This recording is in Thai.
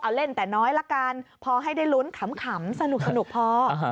เอาเล่นแต่น้อยละกันพอให้ได้ลุ้นขำสนุกพอ